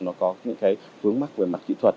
nó có những cái vướng mắc về mặt kỹ thuật